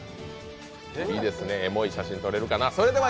いいですね、エモい写真撮れるかな。